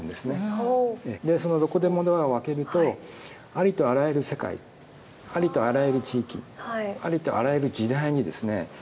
そのどこでもドアを開けるとありとあらゆる世界ありとあらゆる地域ありとあらゆる時代にですね